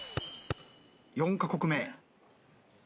４カ国目。